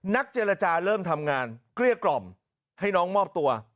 เจรจาเริ่มทำงานเกลี้ยกล่อมให้น้องมอบตัว